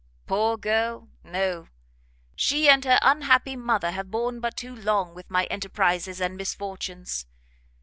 "Poor girl, no! She and her unhappy mother have borne but too long with my enterprizes and misfortunes.